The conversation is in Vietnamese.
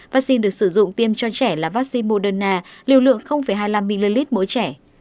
vaccine được sử dụng tiêm cho trẻ là vaccine moderna liều lượng hai mươi năm ml mỗi trẻ